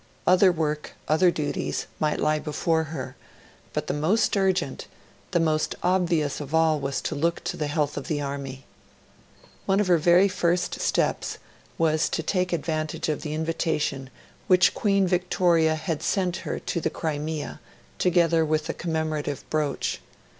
Other work, other duties, might lie before her; but the most urgent, the most obvious of all, was to look to the health of the Army. One of her very first steps was to take advantage of the invitation which Queen Victoria had sent her to the Crimea, together with the commemorative brooch.